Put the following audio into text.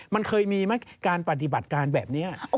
มันเคยมีไหมการปฏิบัติการแบบนี้